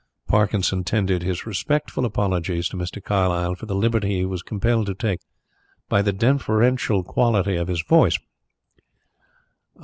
Parkinson tendered his respectful apologies to Mr. Carlyle for the liberty he was compelled to take, by the deferential quality of his voice.